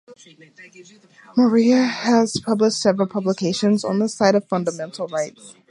Moreira has published several publications on the topic of fundamental rights.